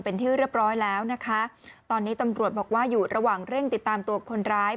เป็นที่เรียบร้อยแล้วนะคะตอนนี้ตำรวจบอกว่าอยู่ระหว่างเร่งติดตามตัวคนร้าย